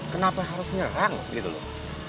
kenapa harus nyerang gitu loh